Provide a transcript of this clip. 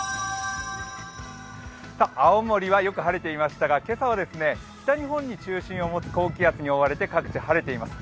青森はよく晴れていましたが今朝は北日本に中心を持つ高気圧により各地晴れています。